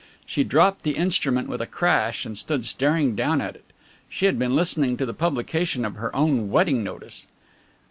She dropped the instrument with a crash and stood staring down at it. She had been listening to the publication of her own wedding notice.